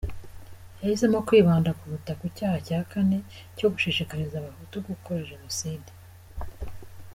Yahisemo kwibanda kuruta ku cyaha cya kane cyo gushishikariza abahutu gukora jenoside.